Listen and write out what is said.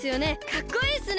かっこいいっすね！